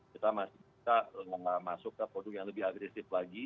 kita masih bisa masuk ke produk yang lebih agresif lagi